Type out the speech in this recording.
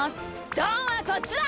どんはこっちだ！